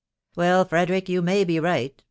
" Well, Frederick, you may be right •